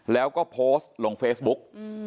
แล้วก็โพสต์ลงเฟซบุ๊ก